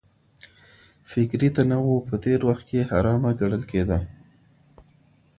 فکري تنوع په تېر وخت کي حرامه ګڼل کېده.